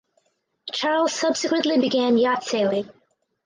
Charles subsequently began yacht sailing.